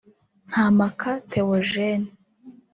Ntampaka Theogene